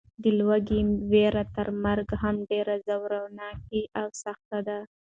د لوږې وېره تر مرګ هم ډېره ځوروونکې او سخته وي.